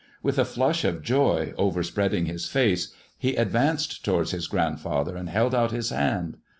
With a flush of joy overspreading his face, he advanced towards his grandfather and held out his hand.